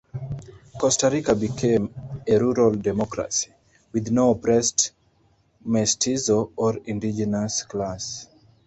Costa Rica became a "rural democracy" with no oppressed mestizo or indigenous class.